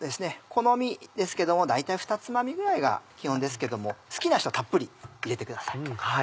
好みですけども大体二つまみぐらいが基本ですけども好きな人はたっぷり入れてください。